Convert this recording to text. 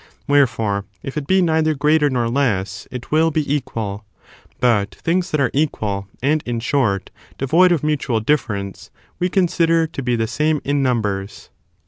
Wherefore, if it be neither greater nor less it will be equal. But things that are equal, and, in short, devoid of mutual .difference, we consider to be the same in numbers.